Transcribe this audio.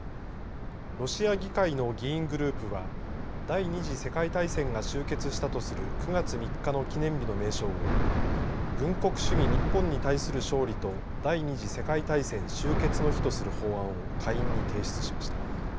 ロシア議会の議員グループは第２次世界大戦が終結したとする９月３日の記念日の名称を軍国主義日本に対する勝利と第２次世界大戦の終結の日とする法案を下院に提出しました。